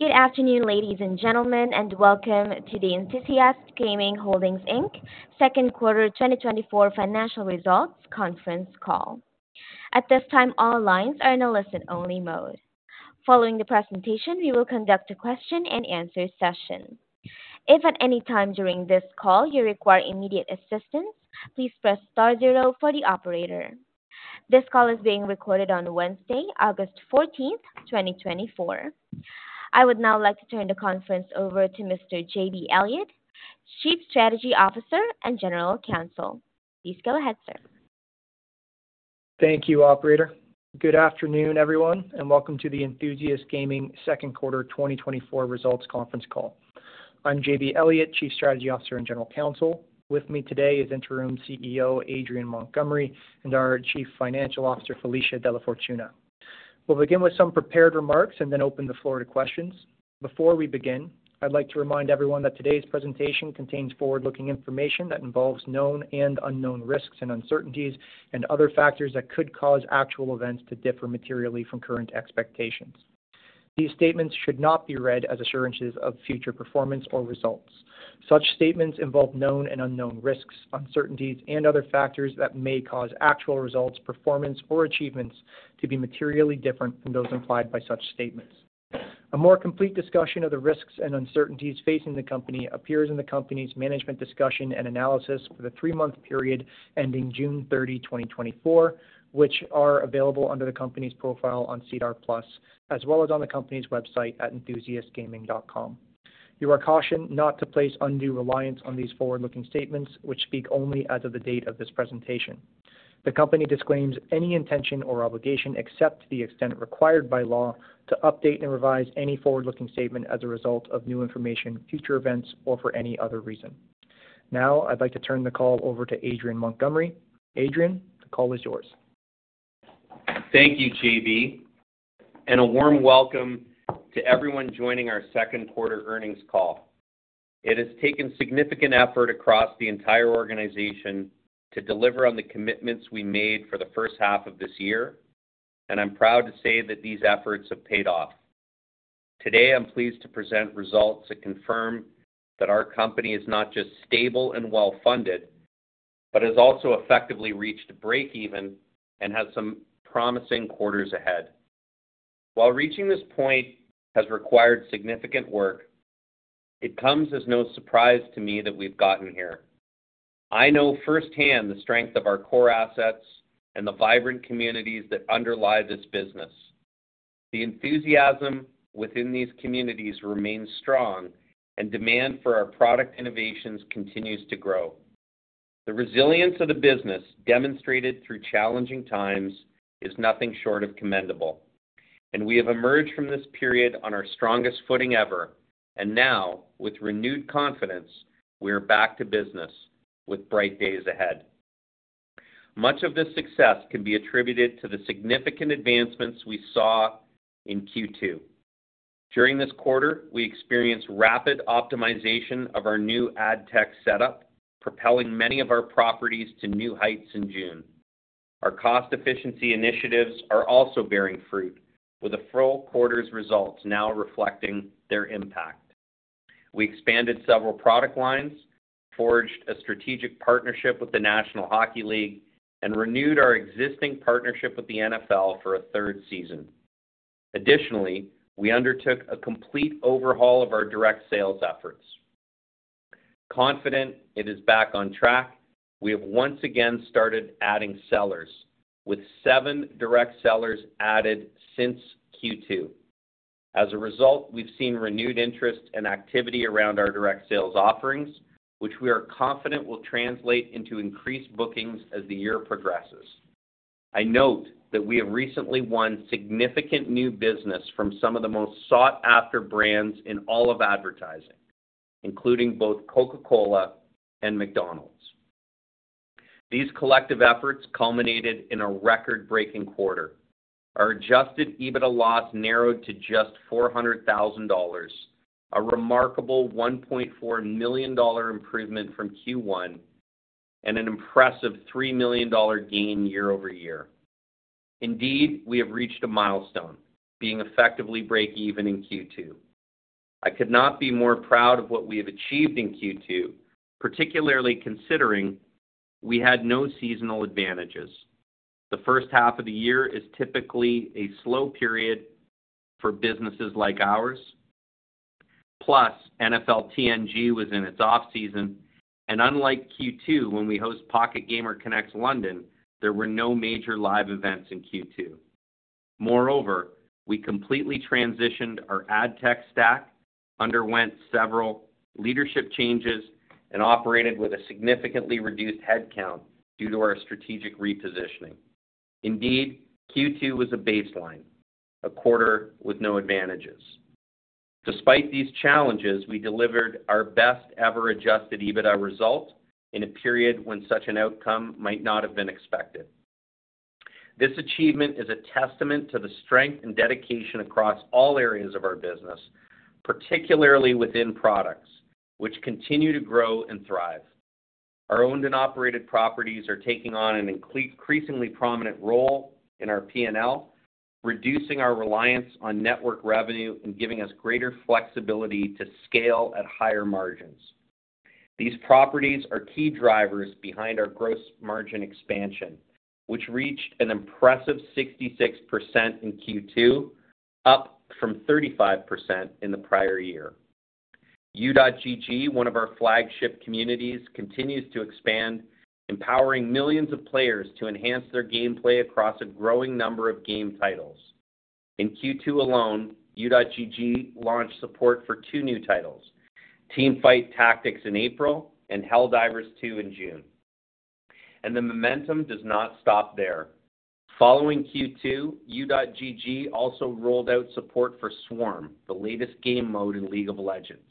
Good afternoon, ladies and gentlemen, and welcome to the Enthusiast Gaming Holdings, Inc., second quarter 2024 financial results conference call. At this time, all lines are in a listen-only mode. Following the presentation, we will conduct a question-and-answer session. If at any time during this call you require immediate assistance, please press star zero for the operator. This call is being recorded on Wednesday, August 14th, 2024. I would now like to turn the conference over to Mr. JB Elliot, Chief Strategy Officer and General Counsel. Please go ahead, sir. Thank you, operator. Good afternoon, everyone, and welcome to the Enthusiast Gaming second quarter 2024 results conference call. I'm JB Elliot, Chief Strategy Officer and General Counsel. With me today is Interim CEO, Adrian Montgomery, and our Chief Financial Officer, Felicia DellaFortuna. We'll begin with some prepared remarks and then open the floor to questions. Before we begin, I'd like to remind everyone that today's presentation contains forward-looking information that involves known and unknown risks and uncertainties and other factors that could cause actual events to differ materially from current expectations. These statements should not be read as assurances of future performance or results. Such statements involve known and unknown risks, uncertainties, and other factors that may cause actual results, performance, or achievements to be materially different from those implied by such statements. A more complete discussion of the risks and uncertainties facing the company appears in the company's management discussion and analysis for the three-month period ending June 30, 2024, which are available under the company's profile on SEDAR+, as well as on the company's website at enthusiastgaming.com. You are cautioned not to place undue reliance on these forward-looking statements, which speak only as of the date of this presentation. The company disclaims any intention or obligation, except to the extent required by law, to update and revise any forward-looking statement as a result of new information, future events, or for any other reason. Now, I'd like to turn the call over to Adrian Montgomery. Adrian, the call is yours. Thank you, JB, and a warm welcome to everyone joining our second quarter earnings call. It has taken significant effort across the entire organization to deliver on the commitments we made for the first half of this year, and I'm proud to say that these efforts have paid off. Today, I'm pleased to present results that confirm that our company is not just stable and well-funded, but has also effectively reached breakeven and has some promising quarters ahead. While reaching this point has required significant work, it comes as no surprise to me that we've gotten here. I know firsthand the strength of our core assets and the vibrant communities that underlie this business. The enthusiasm within these communities remains strong, and demand for our product innovations continues to grow. The resilience of the business, demonstrated through challenging times, is nothing short of commendable, and we have emerged from this period on our strongest footing ever, and now, with renewed confidence, we are back to business with bright days ahead. Much of this success can be attributed to the significant advancements we saw in Q2. During this quarter, we experienced rapid optimization of our new ad tech setup, propelling many of our properties to new heights in June. Our cost efficiency initiatives are also bearing fruit, with the full quarter's results now reflecting their impact. We expanded several product lines, forged a strategic partnership with the National Hockey League, and renewed our existing partnership with the NFL for a third season. Additionally, we undertook a complete overhaul of our direct sales efforts. Confident it is back on track, we have once again started adding sellers, with seven direct sellers added since Q2. As a result, we've seen renewed interest and activity around our direct sales offerings, which we are confident will translate into increased bookings as the year progresses. I note that we have recently won significant new business from some of the most sought-after brands in all of advertising, including both Coca-Cola and McDonald's. These collective efforts culminated in a record-breaking quarter. Our Adjusted EBITDA loss narrowed to just 400,000 dollars, a remarkable 1.4 million dollar improvement from Q1, and an impressive 3 million dollar gain year-over-year. Indeed, we have reached a milestone, being effectively breakeven in Q2. I could not be more proud of what we have achieved in Q2, particularly considering we had no seasonal advantages. The first half of the year is typically a slow period for businesses like ours. Plus, NFL TNG was in its off-season, and unlike Q2, when we hosted Pocket Gamer Connects London, there were no major live events in Q2. Moreover, we completely transitioned our ad tech stack, underwent several leadership changes, and operated with a significantly reduced headcount due to our strategic repositioning. Indeed, Q2 was a baseline, a quarter with no advantages. Despite these challenges, we delivered our best ever adjusted EBITDA result in a period when such an outcome might not have been expected. This achievement is a testament to the strength and dedication across all areas of our business, particularly within products which continue to grow and thrive... Our owned and operated properties are taking on an increasingly prominent role in our PNL, reducing our reliance on network revenue and giving us greater flexibility to scale at higher margins. These properties are key drivers behind our gross margin expansion, which reached an impressive 66% in Q2, up from 35% in the prior year. U.GG, one of our flagship communities, continues to expand, empowering millions of players to enhance their gameplay across a growing number of game titles. In Q2 alone, U.GG launched support for two new titles, Teamfight Tactics in April and Helldivers 2 in June. The momentum does not stop there. Following Q2, U.GG also rolled out support for Swarm, the latest game mode in League of Legends.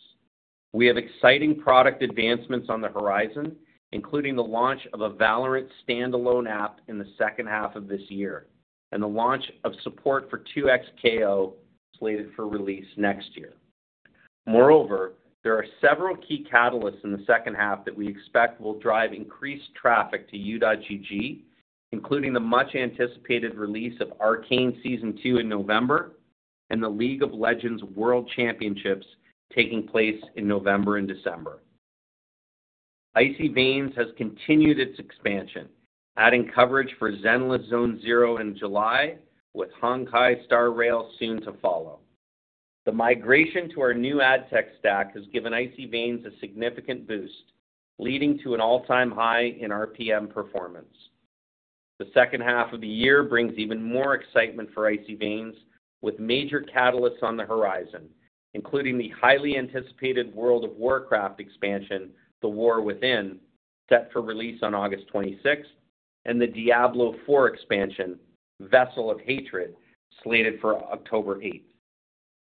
We have exciting product advancements on the horizon, including the launch of a Valorant standalone app in the second half of this year, and the launch of support for 2XKO, slated for release next year. Moreover, there are several key catalysts in the second half that we expect will drive increased traffic to U.GG, including the much-anticipated release of Arcane Season 2 in November, and the League of Legends World Championships taking place in November and December. Icy Veins has continued its expansion, adding coverage for Zenless Zone Zero in July, with Honkai: Star Rail soon to follow. The migration to our new ad tech stack has given Icy Veins a significant boost, leading to an all-time high in RPM performance. The second half of the year brings even more excitement for Icy Veins, with major catalysts on the horizon, including the highly anticipated World of Warcraft expansion, The War Within, set for release on August 26th, and the Diablo IV expansion, Vessel of Hatred, slated for October 8th.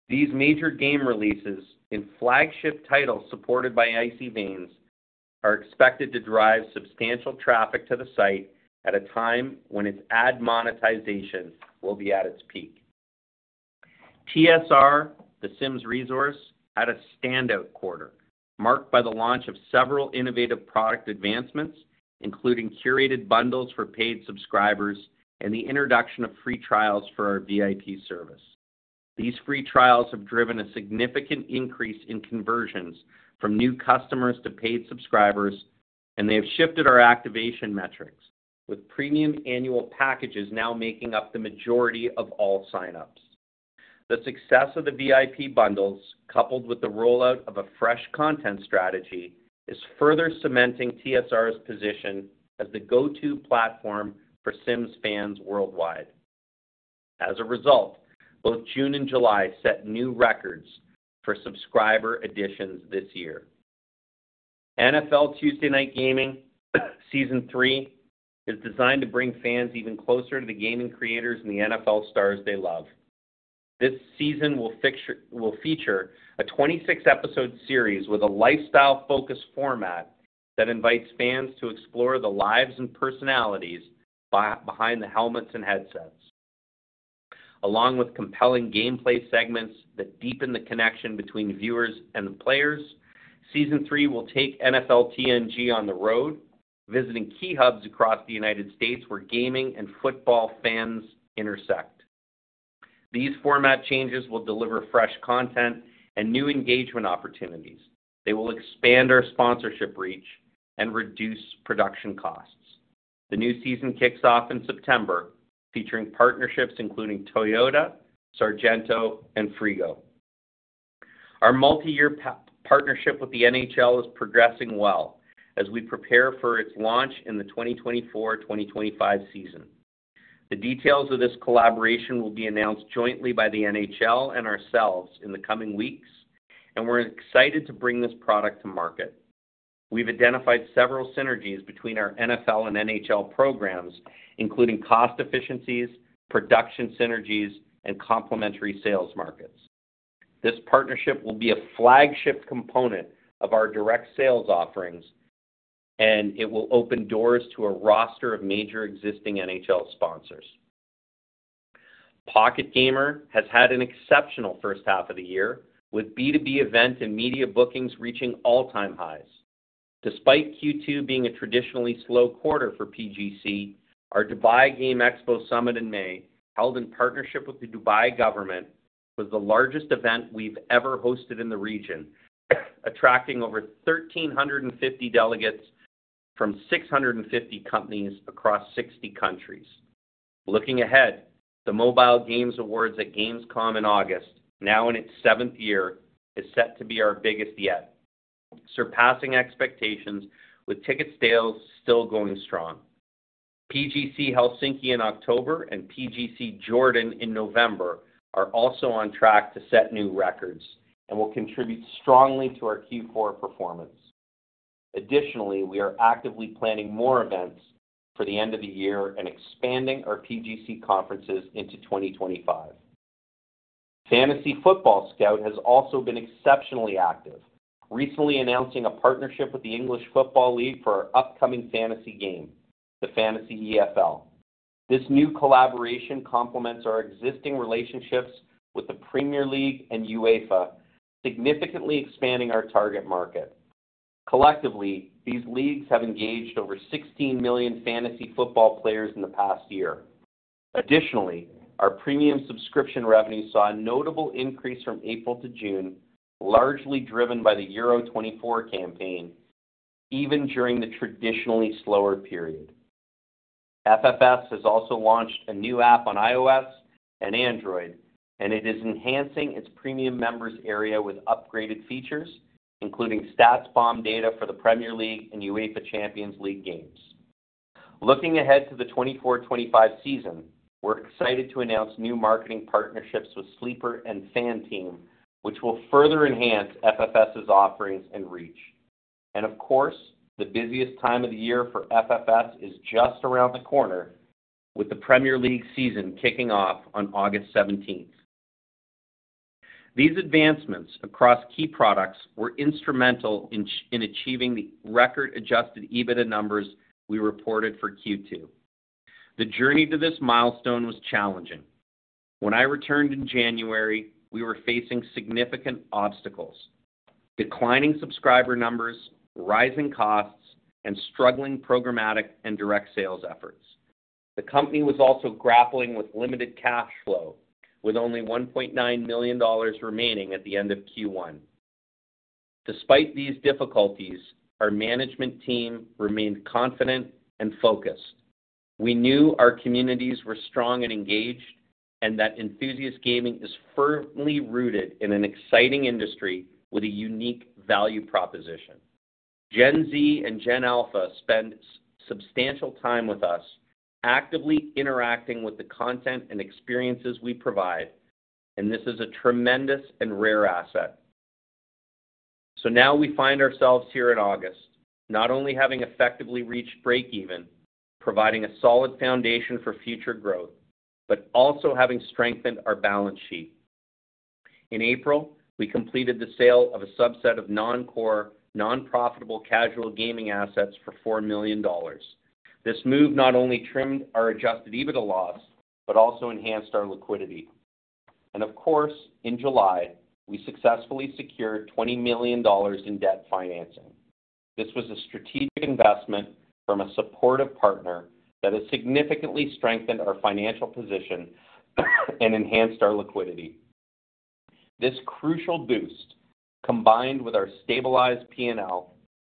These major game releases in flagship titles supported by Icy Veins are expected to drive substantial traffic to the site at a time when its ad monetization will be at its peak. TSR, The Sims Resource, had a standout quarter, marked by the launch of several innovative product advancements, including curated bundles for paid subscribers and the introduction of free trials for our VIP service. These free trials have driven a significant increase in conversions from new customers to paid subscribers, and they have shifted our activation metrics, with premium annual packages now making up the majority of all signups. The success of the VIP bundles, coupled with the rollout of a fresh content strategy, is further cementing TSR's position as the go-to platform for Sims fans worldwide. As a result, both June and July set new records for subscriber additions this year. NFL Tuesday Night Gaming, Season III, is designed to bring fans even closer to the gaming creators and the NFL stars they love. This season will feature a 26-episode series with a lifestyle-focused format that invites fans to explore the lives and personalities behind the helmets and headsets. Along with compelling gameplay segments that deepen the connection between viewers and the players, Season III will take NFL TNG on the road, visiting key hubs across the United States where gaming and football fans intersect. These format changes will deliver fresh content and new engagement opportunities. They will expand our sponsorship reach and reduce production costs. The new season kicks off in September, featuring partnerships including Toyota, Sargento, and Frigo. Our multi-year partnership with the NHL is progressing well as we prepare for its launch in the 2024/2025 season. The details of this collaboration will be announced jointly by the NHL and ourselves in the coming weeks, and we're excited to bring this product to market. We've identified several synergies between our NFL and NHL programs, including cost efficiencies, production synergies, and complementary sales markets. This partnership will be a flagship component of our direct sales offerings, and it will open doors to a roster of major existing NHL sponsors. Pocket Gamer has had an exceptional first half of the year, with B2B event and media bookings reaching all-time highs. Despite Q2 being a traditionally slow quarter for PGC, our Dubai Game Expo Summit in May, held in partnership with the Dubai government, was the largest event we've ever hosted in the region, attracting over 1,350 delegates from 650 companies across 60 countries. Looking ahead, the Mobile Games Awards at Gamescom in August, now in its 7th year, is set to be our biggest yet, surpassing expectations with ticket sales still going strong. PGC Helsinki in October and PGC Jordan in November are also on track to set new records and will contribute strongly to our Q4 performance. Additionally, we are actively planning more events for the end of the year and expanding our PGC conferences into 2025. Fantasy Football Scout has also been exceptionally active, recently announcing a partnership with the English Football League for our upcoming fantasy game, the Fantasy EFL This new collaboration complements our existing relationships with the Premier League and UEFA, significantly expanding our target market. Collectively, these leagues have engaged over 16 million fantasy football players in the past year. Additionally, our premium subscription revenue saw a notable increase from April to June, largely driven by the Euro 2024 campaign, even during the traditionally slower period. FFS has also launched a new app on iOS and Android, and it is enhancing its premium members area with upgraded features, including StatsBomb data for the Premier League and UEFA Champions League games. Looking ahead to the 2024-2025 season, we're excited to announce new marketing partnerships with Sleeper and FanTeam, which will further enhance FFS's offerings and reach. And of course, the busiest time of the year for FFS is just around the corner, with the Premier League season kicking off on August seventeenth. These advancements across key products were instrumental in achieving the record Adjusted EBITDA numbers we reported for Q2. The journey to this milestone was challenging. When I returned in January, we were facing significant obstacles: declining subscriber numbers, rising costs, and struggling programmatic and direct sales efforts. The company was also grappling with limited cash flow, with only $1.9 million remaining at the end of Q1. Despite these difficulties, our management team remained confident and focused. We knew our communities were strong and engaged, and that Enthusiast Gaming is firmly rooted in an exciting industry with a unique value proposition. Gen Z and Gen Alpha spend substantial time with us, actively interacting with the content and experiences we provide, and this is a tremendous and rare asset. So now we find ourselves here in August, not only having effectively reached breakeven, providing a solid foundation for future growth, but also having strengthened our balance sheet. In April, we completed the sale of a subset of non-core, non-profitable casual gaming assets for $4 million. This move not only trimmed our Adjusted EBITDA loss, but also enhanced our liquidity. And of course, in July, we successfully secured $20 million in debt financing. This was a strategic investment from a supportive partner that has significantly strengthened our financial position and enhanced our liquidity. This crucial boost, combined with our stabilized P&L,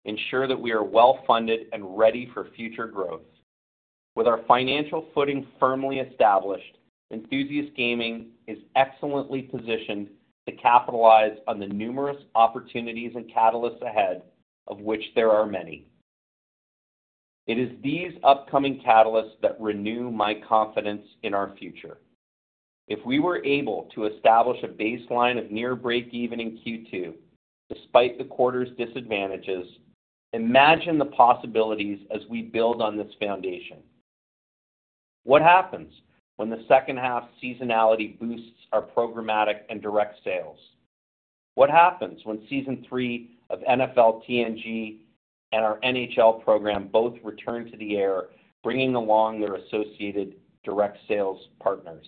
ensure that we are well-funded and ready for future growth. With our financial footing firmly established, Enthusiast Gaming is excellently positioned to capitalize on the numerous opportunities and catalysts ahead, of which there are many. It is these upcoming catalysts that renew my confidence in our future. If we were able to establish a baseline of near breakeven in Q2, despite the quarter's disadvantages, imagine the possibilities as we build on this foundation. What happens when the second half seasonality boosts our programmatic and direct sales? What happens when Season 3 of NFL TNG and our NHL program both return to the air, bringing along their associated direct sales partners?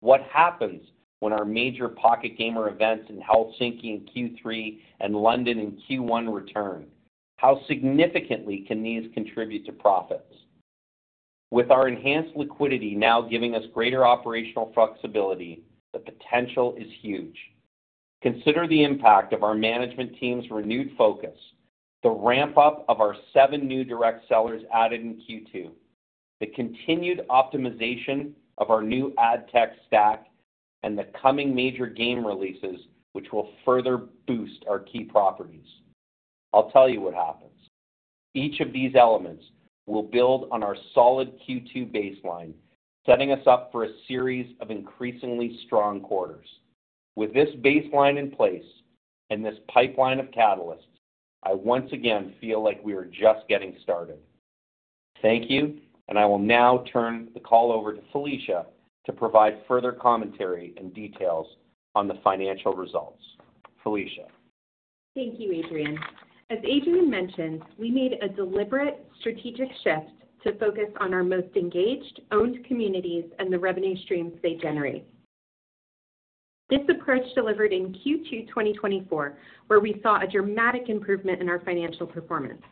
What happens when our major Pocket Gamer events in Helsinki in Q3 and London in Q1 return? How significantly can these contribute to profits? With our enhanced liquidity now giving us greater operational flexibility, the potential is huge. Consider the impact of our management team's renewed focus, the ramp-up of our seven new direct sellers added in Q2, the continued optimization of our new ad tech stack, and the coming major game releases, which will further boost our key properties. I'll tell you what happens. Each of these elements will build on our solid Q2 baseline, setting us up for a series of increasingly strong quarters. With this baseline in place and this pipeline of catalysts, I once again feel like we are just getting started. Thank you, and I will now turn the call over to Felicia to provide further commentary and details on the financial results. Felicia? Thank you, Adrian. As Adrian mentioned, we made a deliberate strategic shift to focus on our most engaged, owned communities and the revenue streams they generate. This approach delivered in Q2 2024, where we saw a dramatic improvement in our financial performance.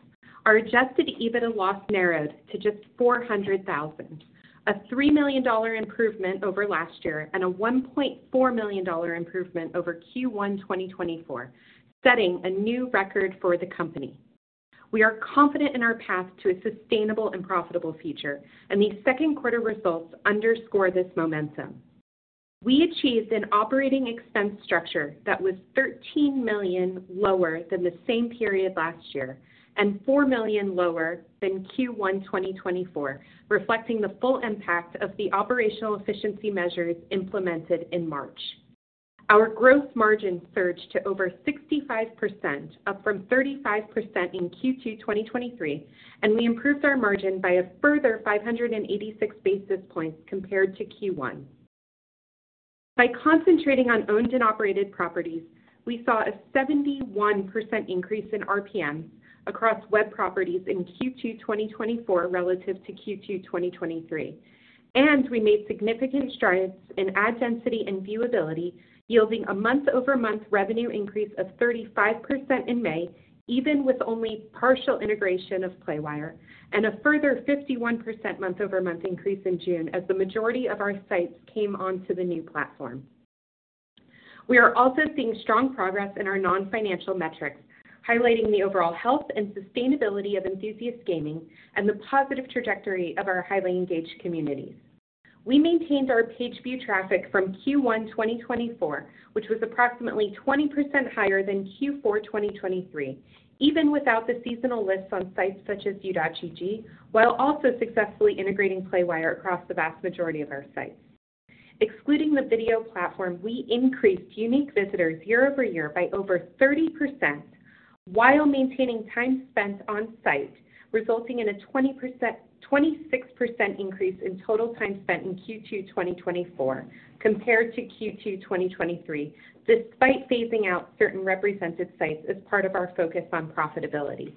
Our Adjusted EBITDA loss narrowed to just 400,000, a 3 million dollar improvement over last year and a 1.4 million dollar improvement over Q1 2024, setting a new record for the company. We are confident in our path to a sustainable and profitable future, and these second quarter results underscore this momentum. We achieved an operating expense structure that was 13 million lower than the same period last year and 4 million lower than Q1 2024, reflecting the full impact of the operational efficiency measures implemented in March. Our gross margin surged to over 65%, up from 35% in Q2 2023, and we improved our margin by a further 586 basis points compared to Q1. By concentrating on owned and operated properties, we saw a 71% increase in RPM across web properties in Q2 2024 relative to Q2 2023, and we made significant strides in ad density and viewability, yielding a month-over-month revenue increase of 35% in May, even with only partial integration of Playwire, and a further 51% month-over-month increase in June as the majority of our sites came onto the new platform. We are also seeing strong progress in our non-financial metrics, highlighting the overall health and sustainability of Enthusiast Gaming and the positive trajectory of our highly engaged communities. We maintained our page view traffic from Q1 2024, which was approximately 20% higher than Q4 2023, even without the seasonal lists on sites such as U.GG, while also successfully integrating Playwire across the vast majority of our sites. Excluding the video platform, we increased unique visitors year-over-year by over 30%, while maintaining time spent on site, resulting in a 20%-26% increase in total time spent in Q2 2024 compared to Q2 2023, despite phasing out certain represented sites as part of our focus on profitability.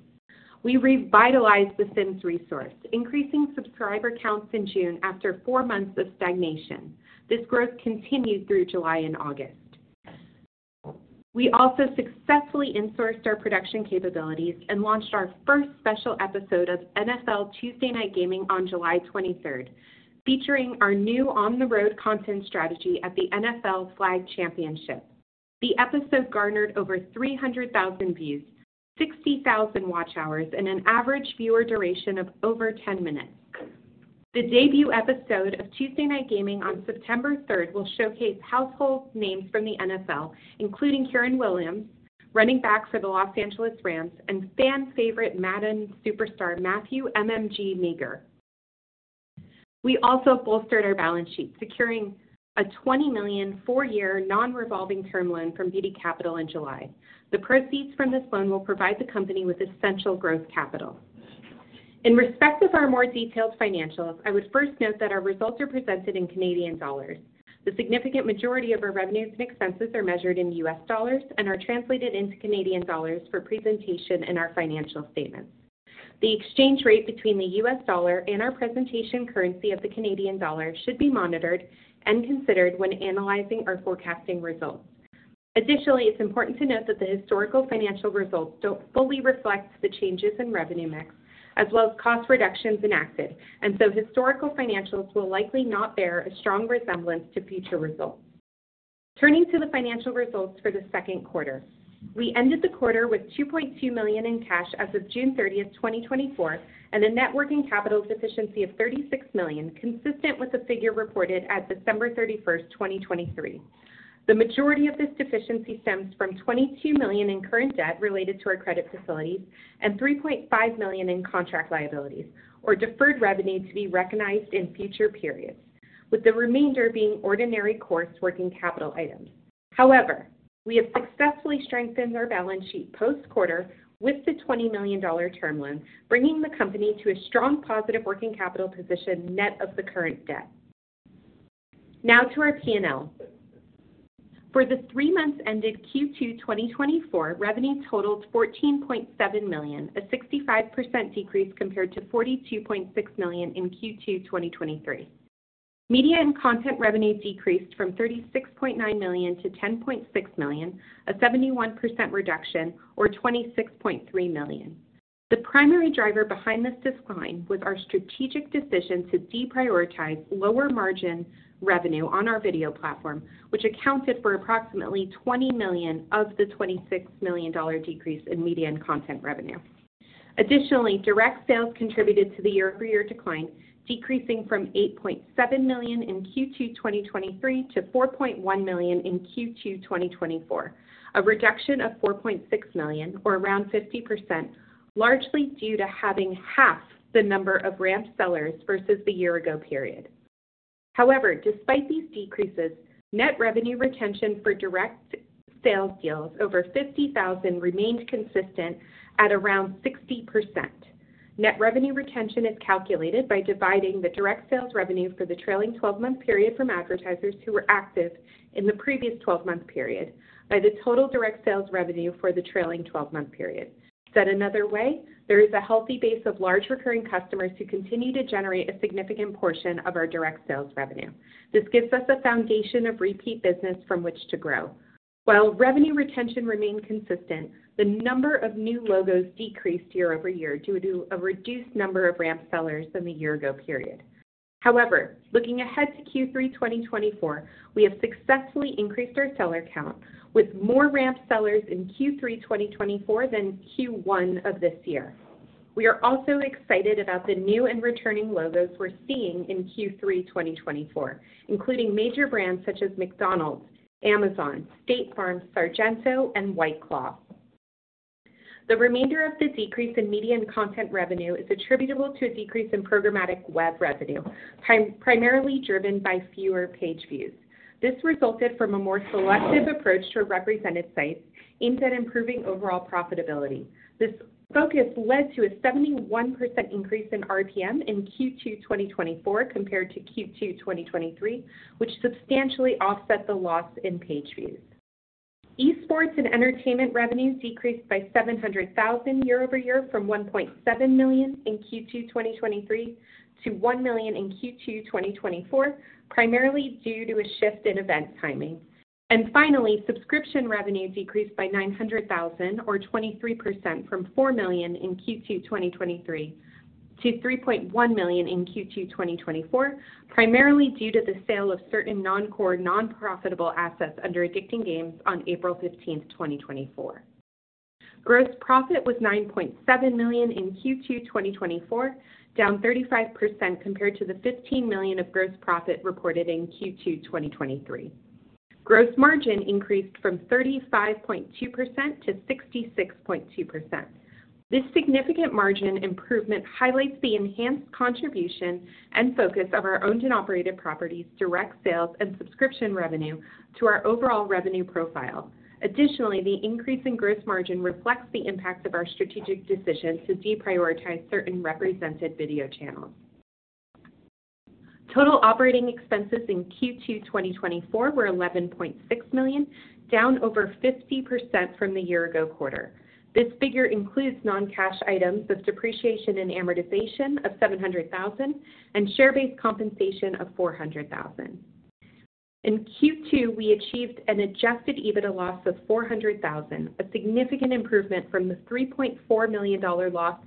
We revitalized The Sims Resource, increasing subscriber counts in June after four months of stagnation. This growth continued through July and August. We also successfully insourced our production capabilities and launched our first special episode of NFL Tuesday Night Gaming on July 23rd, featuring our new On the Road content strategy at the NFL Flag Championship. The episode garnered over 300,000 views, 60,000 watch hours, and an average viewer duration of over 10 minutes. The debut episode of Tuesday Night Gaming on September 3rd will showcase household names from the NFL, including Kyren Williams, running back for the Los Angeles Rams, and fan favorite Madden superstar Matthew "MMG" Meagher. We also bolstered our balance sheet, securing a 20 million, four-year non-revolving term loan from Beedie Capital in July. The proceeds from this loan will provide the company with essential growth capital. In respect of our more detailed financials, I would first note that our results are presented in Canadian dollars. The significant majority of our revenues and expenses are measured in U.S. dollars and are translated into Canadian dollars for presentation in our financial statements. The exchange rate between the U.S. dollar and our presentation currency of the Canadian dollar should be monitored and considered when analyzing or forecasting results. Additionally, it's important to note that the historical financial results don't fully reflect the changes in revenue mix as well as cost reductions enacted, and so historical financials will likely not bear a strong resemblance to future results. Turning to the financial results for the second quarter. We ended the quarter with 2.2 million in cash as of June 30th, 2024, and a net working capital deficiency of 36 million, consistent with the figure reported at December 31st, 2023. The majority of this deficiency stems from 22 million in current debt related to our credit facilities and 3.5 million in contract liabilities, or deferred revenue to be recognized in future periods, with the remainder being ordinary course working capital items. However, we have successfully strengthened our balance sheet post-quarter with the 20 million dollar term loan, bringing the company to a strong positive working capital position net of the current debt. Now to our P&L. For the three months ended Q2 2024, revenue totaled CAD 14.7 million, a 65% decrease compared to CAD 42.6 million in Q2 2023. Media and content revenues decreased from CAD 36.9 million to CAD 10.6 million, a 71% reduction, or CAD 26.3 million. The primary driver behind this decline was our strategic decision to deprioritize lower margin revenue on our video platform, which accounted for approximately $20 million of the $26 million decrease in media and content revenue. Additionally, direct sales contributed to the year-over-year decline, decreasing from $8.7 million in Q2 2023 to $4.1 million in Q2 2024, a reduction of $4.6 million, or around 50%, largely due to having half the number of ramped sellers versus the year ago period. However, despite these decreases, net revenue retention for direct sales deals over $50,000 remained consistent at around 60%. Net revenue retention is calculated by dividing the direct sales revenue for the trailing twelve-month period from advertisers who were active in the previous twelve-month period by the total direct sales revenue for the trailing twelve-month period. Said another way, there is a healthy base of large recurring customers who continue to generate a significant portion of our direct sales revenue. This gives us a foundation of repeat business from which to grow. While revenue retention remained consistent, the number of new logos decreased year over year due to a reduced number of ramped sellers than the year ago period. However, looking ahead to Q3 2024, we have successfully increased our seller count with more ramped sellers in Q3 2024 than Q1 of this year. We are also excited about the new and returning logos we're seeing in Q3 2024, including major brands such as McDonald's, Amazon, State Farm, Sargento, and White Claw. The remainder of the decrease in media and content revenue is attributable to a decrease in programmatic web revenue, primarily driven by fewer page views. This resulted from a more selective approach to represented sites aimed at improving overall profitability. This focus led to a 71% increase in RPM in Q2 2024 compared to Q2 2023, which substantially offset the loss in page views. Esports and entertainment revenues decreased by 700 thousand year-over-year, from 1.7 million in Q2 2023 to 1 million in Q2 2024, primarily due to a shift in event timing. And finally, subscription revenue decreased by 900 thousand or 23% from 4 million in Q2 2023 to 3.1 million in Q2 2024, primarily due to the sale of certain non-core, non-profitable assets under Addicting Games on April 15, 2024. Gross profit was 9.7 million in Q2 2024, down 35% compared to the 15 million of gross profit reported in Q2 2023. Gross margin increased from 35.2% to 66.2%. This significant margin improvement highlights the enhanced contribution and focus of our owned and operated properties, direct sales, and subscription revenue to our overall revenue profile. Additionally, the increase in gross margin reflects the impact of our strategic decision to deprioritize certain represented video channels. Total operating expenses in Q2 2024 were 11.6 million, down over 50% from the year-ago quarter. This figure includes non-cash items of depreciation and amortization of 700,000 and share-based compensation of 400,000. In Q2, we achieved an Adjusted EBITDA loss of 400,000, a significant improvement from the 3.4 million dollar loss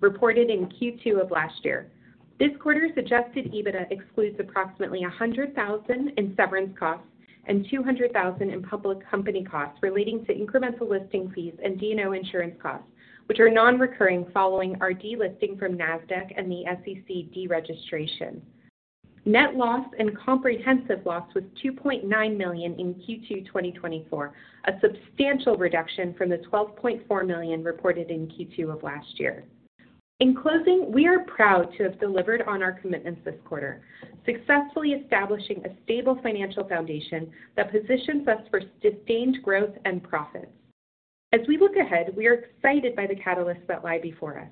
reported in Q2 of last year. This quarter's adjusted EBITDA excludes approximately 100,000 in severance costs and 200,000 in public company costs relating to incremental listing fees and D&O insurance costs, which are non-recurring following our delisting from NASDAQ and the SEC deregistration. Net loss and comprehensive loss was 2.9 million in Q2 2024, a substantial reduction from the 12.4 million reported in Q2 of last year. In closing, we are proud to have delivered on our commitments this quarter, successfully establishing a stable financial foundation that positions us for sustained growth and profits. As we look ahead, we are excited by the catalysts that lie before us,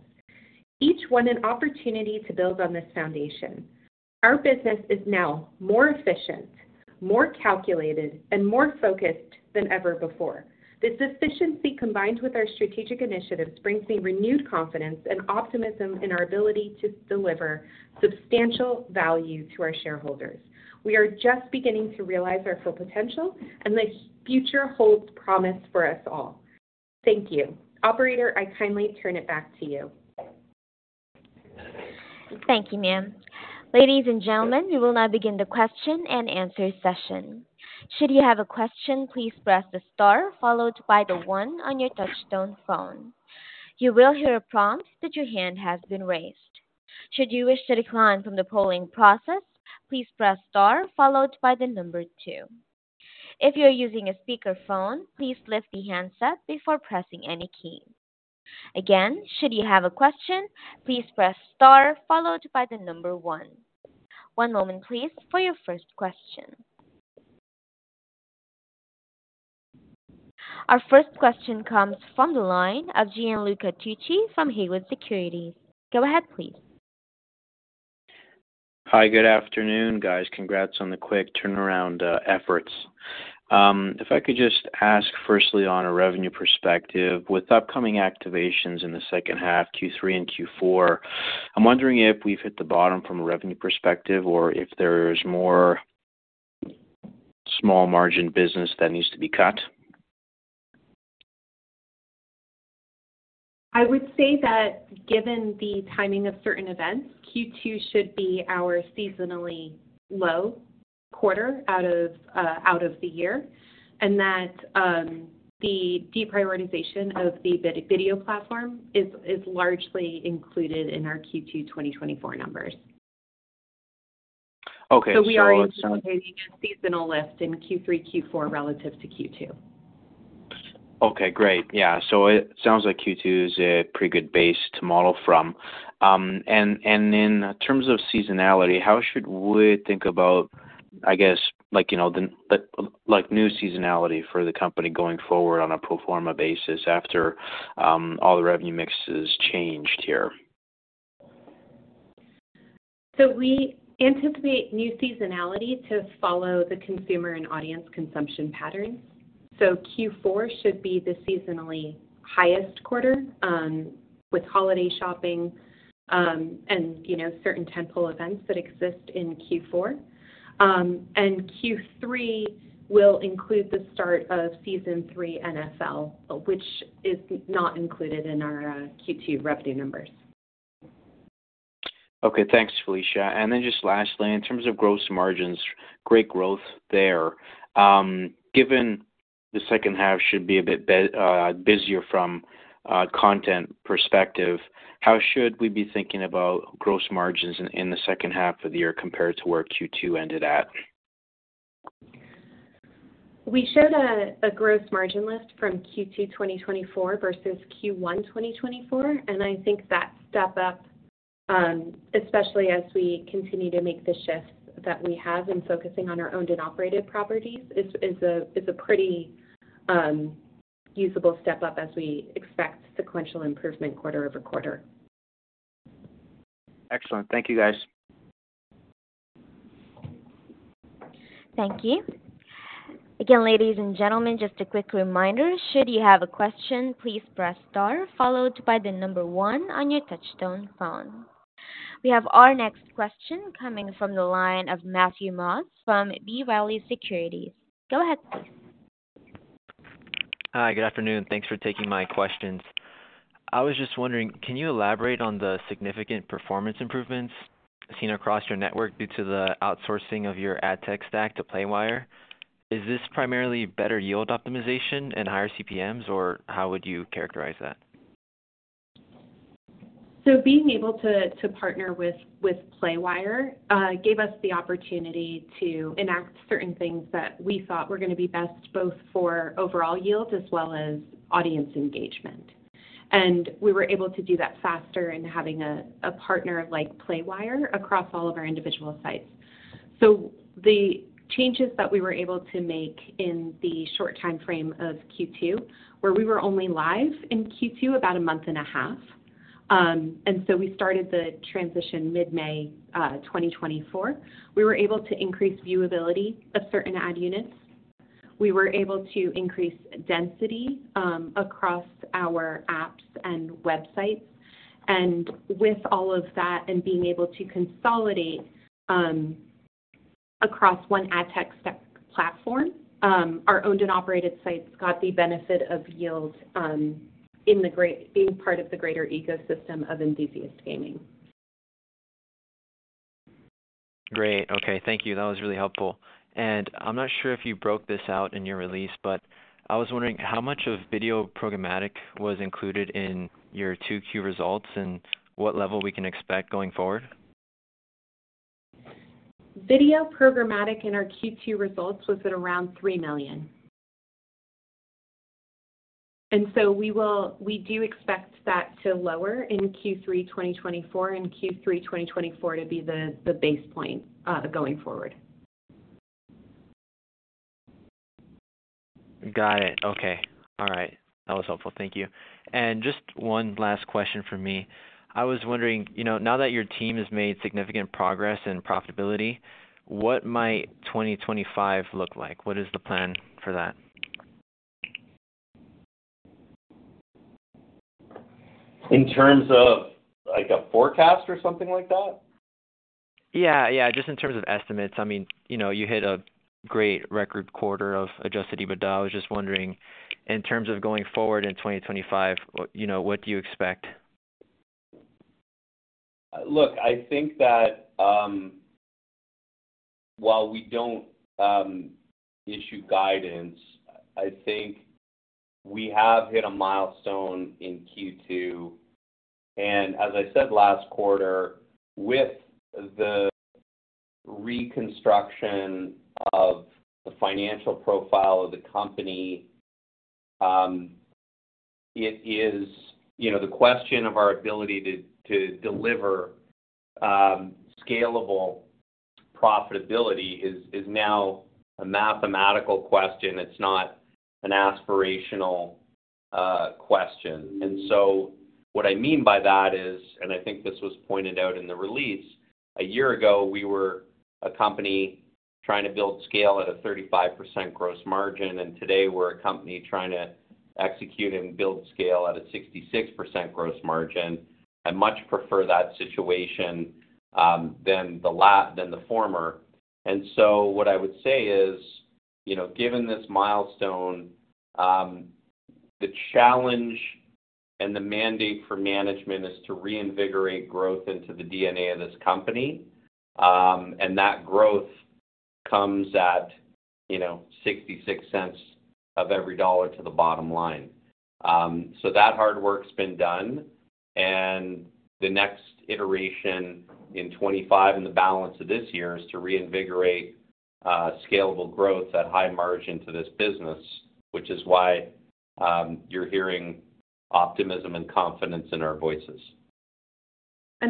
each one an opportunity to build on this foundation. Our business is now more efficient, more calculated and more focused than ever before. This efficiency, combined with our strategic initiatives, brings me renewed confidence and optimism in our ability to deliver substantial value to our shareholders. We are just beginning to realize our full potential, and the future holds promise for us all. Thank you. Operator, I kindly turn it back to you. Thank you, ma'am. Ladies and gentlemen, we will now begin the question and answer session. Should you have a question, please press the star followed by the one on your touchtone phone. You will hear a prompt that your hand has been raised. Should you wish to decline from the polling process, please press star followed by the number two. If you're using a speakerphone, please lift the handset before pressing any key. Again, should you have a question, please press star followed by the number one. One moment, please, for your first question. Our first question comes from the line of Gianluca Tucci from Haywood Securities. Go ahead, please. Hi, good afternoon, guys. Congrats on the quick turnaround, efforts. If I could just ask, firstly, on a revenue perspective, with upcoming activations in the second half, Q3 and Q4, I'm wondering if we've hit the bottom from a revenue perspective or if there's more small margin business that needs to be cut? I would say that given the timing of certain events, Q2 should be our seasonally low quarter out of the year, and that the deprioritization of the video platform is largely included in our Q2 2024 numbers. Okay, so- So we are anticipating a seasonal lift in Q3, Q4 relative to Q2. Okay, great. Yeah. So it sounds like Q2 is a pretty good base to model from. And in terms of seasonality, how should we think about, I guess, like, you know, the like new seasonality for the company going forward on a pro forma basis after all the revenue mix is changed here? So we anticipate new seasonality to follow the consumer and audience consumption patterns. So Q4 should be the seasonally highest quarter, with holiday shopping, and, you know, certain tentpole events that exist in Q4. And Q3 will include the start of Season three NFL, which is not included in our Q2 revenue numbers. Okay, thanks, Felicia. And then just lastly, in terms of gross margins, great growth there. Given the second half should be a bit busier from a content perspective, how should we be thinking about gross margins in the second half of the year compared to where Q2 ended at? We showed a gross margin lift from Q2 2024 versus Q1 2024, and I think that step-up, especially as we continue to make the shifts that we have in focusing on our owned and operated properties, is a pretty usable step-up as we expect sequential improvement quarter-over-quarter. Excellent. Thank you, guys. Thank you. Again, ladies and gentlemen, just a quick reminder, should you have a question, please press star followed by the number one on your touchtone phone. We have our next question coming from the line of Matthew Moss from B. Riley Securities. Go ahead. Hi, good afternoon. Thanks for taking my questions. I was just wondering, can you elaborate on the significant performance improvements seen across your network due to the outsourcing of your ad tech stack to Playwire? Is this primarily better yield optimization and higher CPMs, or how would you characterize that? So being able to partner with Playwire gave us the opportunity to enact certain things that we thought were gonna be best, both for overall yield as well as audience engagement. And we were able to do that faster in having a partner like Playwire across all of our individual sites. So the changes that we were able to make in the short time frame of Q2, where we were only live in Q2 about a month and a half, and so we started the transition mid-May 2024. We were able to increase viewability of certain ad units. We were able to increase density across our apps and websites. With all of that and being able to consolidate across one ad tech stack platform, our owned and operated sites got the benefit of yield in the being part of the greater ecosystem of Enthusiast Gaming. Great. Okay, thank you. That was really helpful. I'm not sure if you broke this out in your release, but I was wondering how much of video programmatic was included in your 2Q results and what level we can expect going forward? Video programmatic in our Q2 results was at around 3 million. So we do expect that to lower in Q3 2024, and Q3 2024 to be the base point going forward. Got it. Okay. All right. That was helpful. Thank you. Just one last question from me. I was wondering, you know, now that your team has made significant progress in profitability, what might 2025 look like? What is the plan for that? In terms of, like, a forecast or something like that? Yeah, yeah, just in terms of estimates. I mean, you know, you hit a great record quarter of Adjusted EBITDA. I was just wondering, in terms of going forward in 2025, you know, what do you expect? Look, I think that, while we don't issue guidance, I think we have hit a milestone in Q2. And as I said last quarter, with the reconstruction of the financial profile of the company, it is... You know, the question of our ability to deliver scalable profitability is now a mathematical question. It's not an aspirational question. And so what I mean by that is, and I think this was pointed out in the release, a year ago, we were a company trying to build scale at a 35% gross margin, and today we're a company trying to execute and build scale at a 66% gross margin. I much prefer that situation than the former. What I would say is, you know, given this milestone, the challenge and the mandate for management is to reinvigorate growth into the DNA of this company, and that growth comes at, you know, $0.66 of every $1 to the bottom line. That hard work's been done, and the next iteration in 25 and the balance of this year is to reinvigorate scalable growth at high margin to this business, which is why you're hearing optimism and confidence in our voices.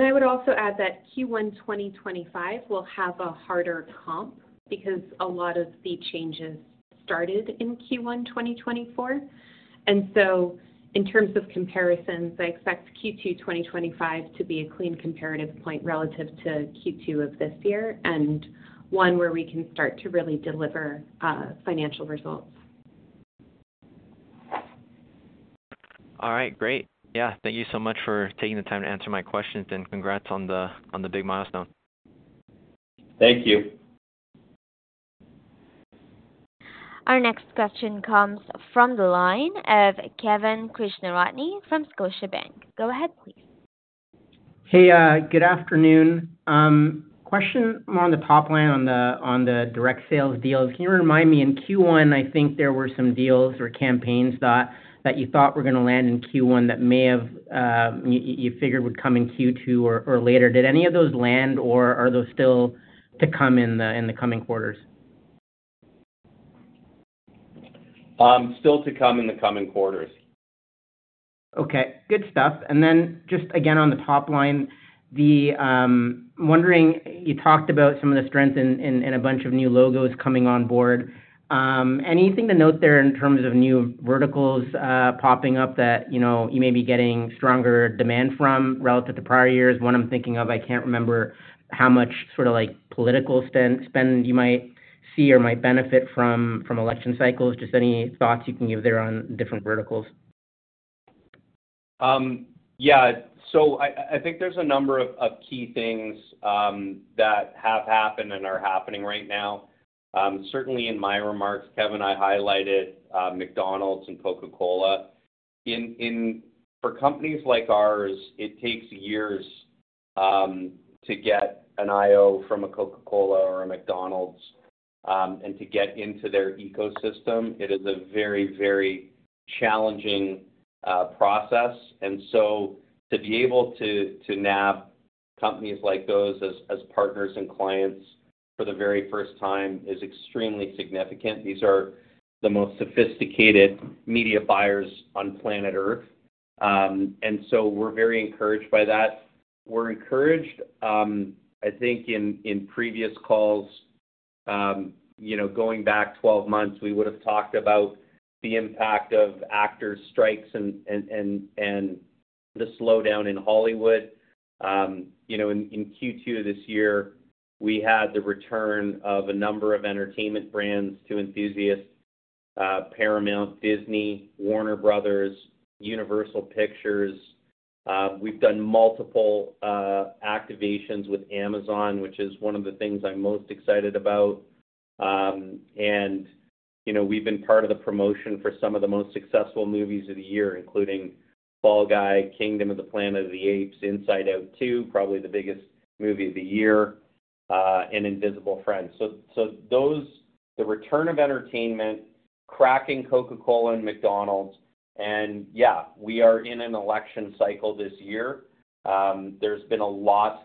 I would also add that Q1 2025 will have a harder comp, because a lot of the changes started in Q1 2024. So in terms of comparisons, I expect Q2 2025 to be a clean comparative point relative to Q2 of this year, and one where we can start to really deliver financial results. All right, great. Yeah, thank you so much for taking the time to answer my questions, and congrats on the big milestone. Thank you. Our next question comes from the line of Kevin Krishnaratne from Scotiabank. Go ahead, please. Hey, good afternoon. Question more on the top line on the, on the direct sales deals. Can you remind me, in Q1, I think there were some deals or campaigns that, that you thought were gonna land in Q1 that may have, you figured would come in Q2 or, or later. Did any of those land, or are those still to come in the, in the coming quarters? Still to come in the coming quarters. Okay, good stuff. And then just again, on the top line, wondering, you talked about some of the strength in a bunch of new logos coming on board. Anything to note there in terms of new verticals popping up that, you know, you may be getting stronger demand from relative to prior years? One I'm thinking of, I can't remember how much sort of like political spend you might see or might benefit from, from election cycles. Just any thoughts you can give there on different verticals? Yeah. So I think there's a number of key things that have happened and are happening right now. Certainly, in my remarks, Kevin, I highlighted McDonald's and Coca-Cola. For companies like ours, it takes years to get an IO from a Coca-Cola or a McDonald's and to get into their ecosystem, it is a very, very challenging process. And so to be able to nab companies like those as partners and clients for the very first time is extremely significant. These are the most sophisticated media buyers on Planet Earth. And so we're very encouraged by that. We're encouraged, I think in previous calls, you know, going back 12 months, we would have talked about the impact of actors strikes and the slowdown in Hollywood. You know, in Q2 of this year, we had the return of a number of entertainment brands to enthusiasts, Paramount, Disney, Warner Bros., Universal Pictures. We've done multiple activations with Amazon, which is one of the things I'm most excited about. And, you know, we've been part of the promotion for some of the most successful movies of the year, including The Fall Guy, Kingdom of the Planet of the Apes, Inside Out 2, probably the biggest movie of the year, and IF. So those... The return of entertainment, cracking Coca-Cola and McDonald's, and yeah, we are in an election cycle this year. There's been a lot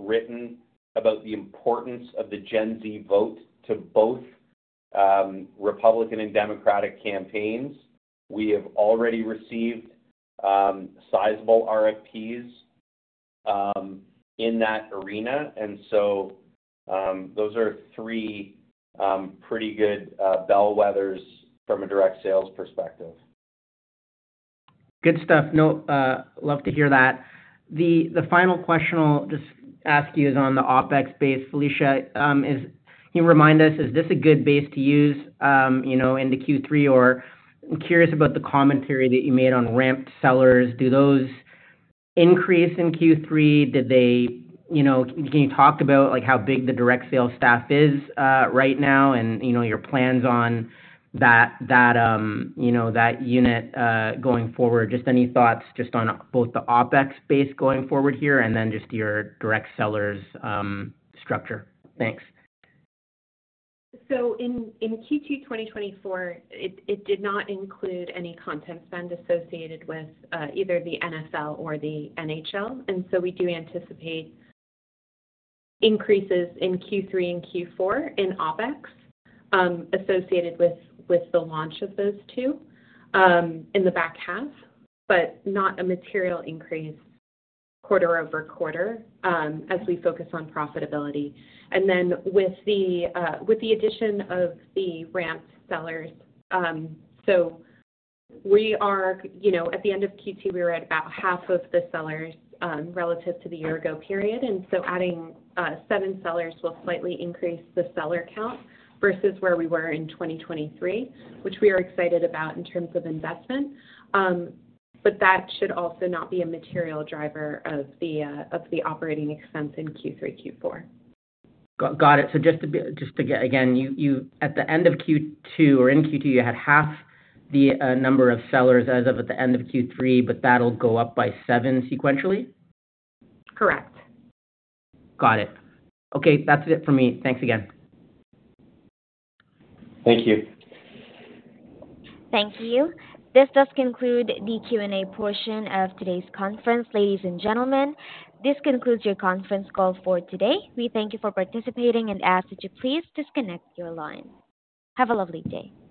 written about the importance of the Gen Z vote to both Republican and Democratic campaigns. We have already received sizable RFPs in that arena, and so those are three pretty good bellwethers from a direct sales perspective. Good stuff. No, love to hear that. The final question I'll just ask you is on the OpEx base, Felicia. Can you remind us, is this a good base to use, you know, into Q3? Or I'm curious about the commentary that you made on ramped sellers. Do those increase in Q3? Did they, you know, can you talk about, like, how big the direct sales staff is, right now and, you know, your plans on that, you know, that unit, going forward? Just any thoughts just on both the OpEx base going forward here, and then just your direct sellers, structure. Thanks. So in Q2 2024, it did not include any content spend associated with either the NFL or the NHL, and so we do anticipate increases in Q3 and Q4 in OpEx associated with the launch of those two in the back half, but not a material increase quarter-over-quarter as we focus on profitability. Then with the addition of the ramped sellers, so we are, you know, at the end of Q2, we were at about half of the sellers relative to the year ago period, and so adding 7 sellers will slightly increase the seller count versus where we were in 2023, which we are excited about in terms of investment. But that should also not be a material driver of the operating expense in Q3, Q4. Got it. So just to again, you at the end of Q2 or in Q2, you had half the number of sellers as of at the end of Q3, but that'll go up by seven sequentially? Correct. Got it. Okay, that's it for me. Thanks again. Thank you. Thank you. This does conclude the Q&A portion of today's conference. Ladies and gentlemen, this concludes your conference call for today. We thank you for participating and ask that you please disconnect your line. Have a lovely day.